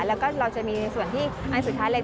แล้วก็เราจะมีส่วนที่อันสุดท้ายเลย